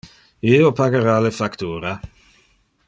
Io pagara le factura.